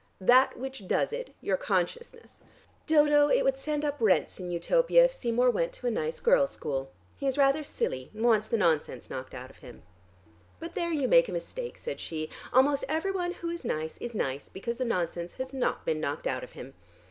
"That which does it, your consciousness. Dodo, it would send up rents in Utopia if Seymour went to a nice girls' school. He is rather silly, and wants the nonsense knocked out of him." "But there you make a mistake," said she. "Almost every one who is nice is nice because the nonsense has not been knocked out of him.